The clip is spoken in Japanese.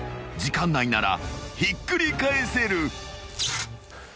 ［時間内ならひっくり返せる］